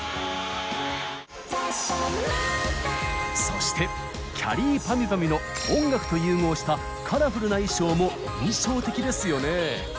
そしてきゃりーぱみゅぱみゅの音楽と融合したカラフルな衣装も印象的ですよね。